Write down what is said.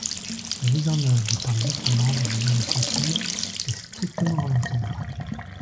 La mise en œuvre par les États membres de l’initiative est strictement volontaire.